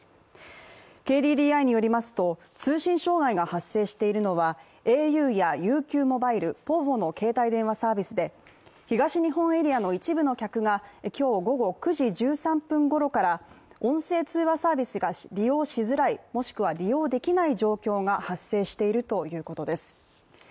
ＫＤＤＩによりますと、通信障害が発生しているのはａｕやＵＱｍｏｂｉｌｅ、ｐｏｖｏの携帯電話サービスで東日本エリアの一部の客が今日午後９時１３分ごろから音声通話サービスが利用しづらいもしくは利用できない状況が発生しているということです。